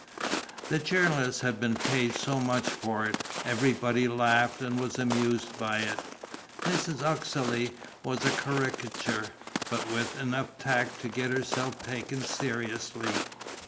The journalist had been paid so much for it; everybody laughed and was amused by it. Mrs. Uxeley was a caricature, but with enough tact to get herself taken seriously.